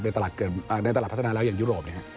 ในตลาดพัฒนาแล้วอย่างยุโรป